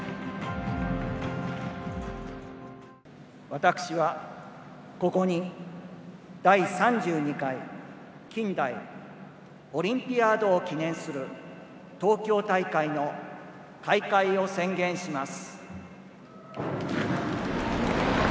私は、ここに第３２回近代オリンピアードを記念する東京大会の開会を宣言します。